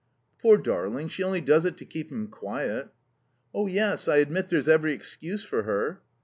"Poor darling, she only does it to keep him quiet." "Oh, yes, I admit there's every excuse for her."